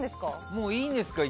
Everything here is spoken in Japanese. もういいんですか？